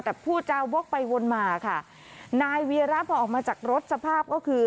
แต่ผู้จาวกไปวนมาค่ะนายวีระพอออกมาจากรถสภาพก็คือ